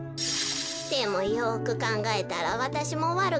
でもよくかんがえたらわたしもわるかったみたい。